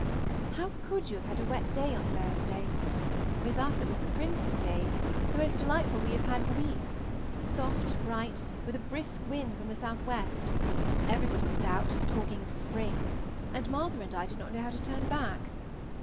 How could you have a wet day on Thursday? With us it was a prince of days, the most delightful we have had for weeks; soft, bright, with a brisk wind from the southwest; everybody was out and talking of spring, and Martha and I did not know how to turn back.